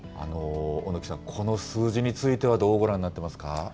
小貫さん、この数字についてはどうご覧になってますか。